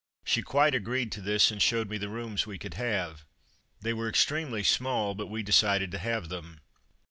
She quite agreed to this, and showed me the rooms we could have. They were extremely small, but we decided to have them.